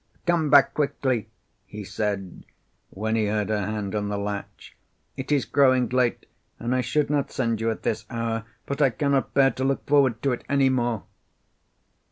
"Come back quickly," he said, when he heard her hand on the latch. "It is growing late, and I should not send you at this hour. But I cannot bear to look forward to it any more."